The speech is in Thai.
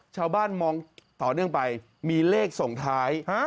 ชาวบ้านมองต่อเนื่องไปมีเลขส่งท้าย